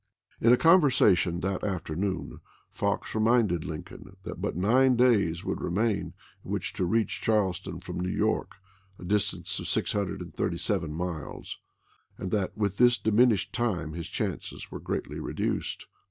In a conversa tion that afternoon Fox reminded Lincoln that but nine days would remain in which to reach Charleston from New York, a distance of 637 miles, and that with this diminished time his chances were greatly reduced.